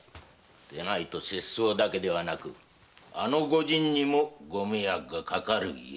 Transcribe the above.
でないと拙僧だけではなくあの御仁にもご迷惑がかかる。